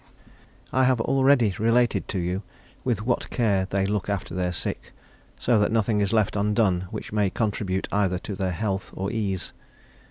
I HAVE already related to you with what care they look after their sick, so that nothing is left undone which may contribute either to their health or ease.